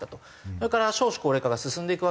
それから少子高齢化が進んでいくわけ。